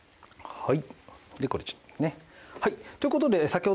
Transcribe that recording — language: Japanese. はい。